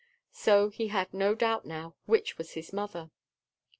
So he had no doubt, now, which was his mother.